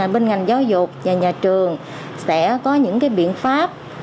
bên ngành giáo dục và nhà trường sẽ có những biện pháp